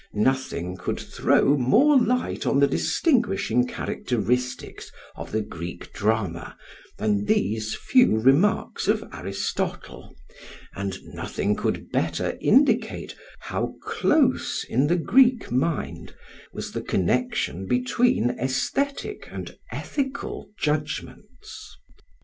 Nothing could throw more light on the distinguishing characteristics of the Greek drama than these few remarks of Aristotle, and nothing could better indicate how close, in the Greek mind, was the connection between aesthetic and ethical judgments.